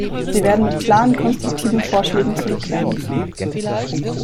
Sie werden mit klaren, konstruktiven Vorschlägen zurückkehren müssen.